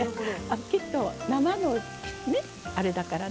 きっと生のねっあれだからね。